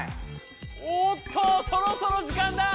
おっとそろそろ時間だ！